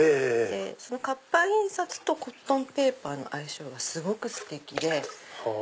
その活版印刷とコットンペーパーの相性がすごくステキで。